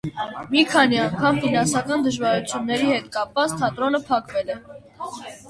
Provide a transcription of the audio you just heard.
Մի քանի անգամ, ֆիանանսական դժվարությունների հետ կապված, թատրոնը փակվել է։